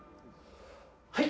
はい！